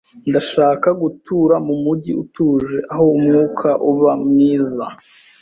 Ndashaka gutura mumujyi utuje aho umwuka uba mwiza.